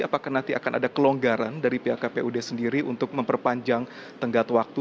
apakah nanti akan ada kelonggaran dari pihak kpud sendiri untuk memperpanjang tenggat waktu